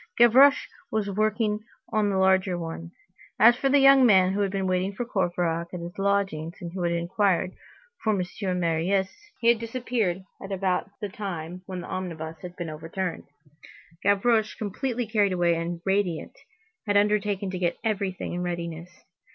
Gavroche was working on the larger one. As for the young man who had been waiting for Courfeyrac at his lodgings, and who had inquired for M. Marius, he had disappeared at about the time when the omnibus had been overturned. Gavroche, completely carried away and radiant, had undertaken to get everything in readiness.